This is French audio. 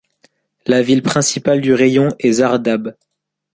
La ville principale du rayon est Zardab.